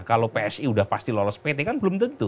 kalau psi sudah pasti lolos pt kan belum tentu